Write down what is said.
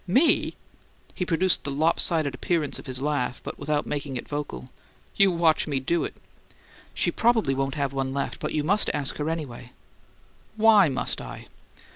"Me?" He produced the lop sided appearance of his laugh, but without making it vocal. "You watch me do it!" "She probably won't have one left, but you must ask her, anyway." "Why must I?"